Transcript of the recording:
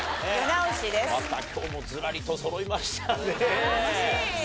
また今日もずらりとそろいましたね。